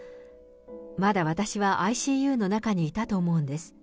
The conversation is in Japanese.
まだ私はＩＣＵの中にいたと思うんです。